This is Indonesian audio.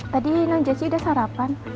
tadi dengan jessy udah sarapan